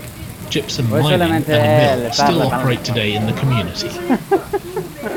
Gypsum mining and a mill still operate today in the community.